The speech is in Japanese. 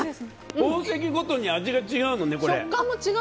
宝石ごとに味が違うもんね、これ。